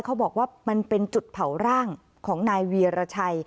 เขาบอกว่ามันเป็นจุดเผาร่างของนายเวียรชัย